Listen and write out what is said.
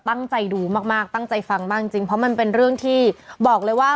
ตั้งใจดูมากมากตั้งใจฟังมากจริงเพราะมันเป็นเรื่องที่บอกเลยว่า